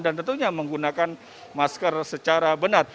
dan tentunya menggunakan masker secara benar